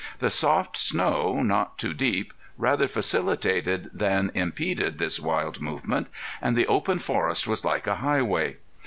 The soft snow, not too deep, rather facilitated than impeded this wild movement, and the open forest was like a highway.